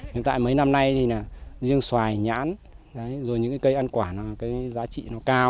hiện tại mấy năm nay thì là riêng xoài nhãn rồi những cái cây ăn quả cái giá trị nó cao